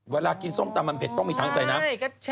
เวลากินส้มตำมันเผ็ดต้องมีถังใส่น้ำ